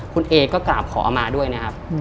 คุณเอก็กราบขอมาด้วยนะครับ